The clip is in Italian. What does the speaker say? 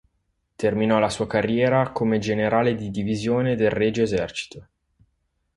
Terminò la sua carriera come generale di divisione del Regio Esercito.